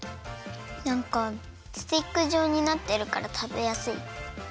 なんかスティックじょうになってるからたべやすい！